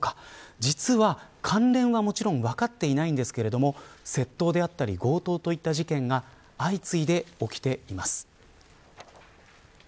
実は、関連はもちろん分かっていないんですけれど窃盗であったり強盗という事件が相次いで起きています。